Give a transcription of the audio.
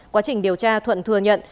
quá trình điều tra thuận thừa nhận